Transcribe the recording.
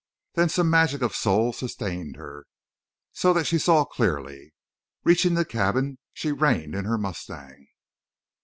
Then some magic of soul sustained her, so that she saw clearly. Reaching the cabin she reined in her mustang.